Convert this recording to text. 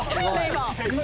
今。